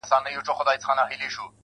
• اول بخښنه درڅه غواړمه زه.